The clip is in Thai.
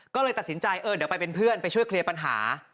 ก็เลยตัดสินใจเออเดี๋ยวไปเป็นเพื่อนไปช่วยเคลียร์ปัญหา